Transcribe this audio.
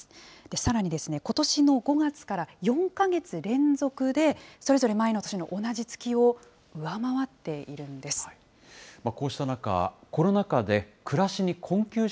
さらにですね、ことしの５月から４か月連続で、それぞれ前の年の同じ月を上回っているんです。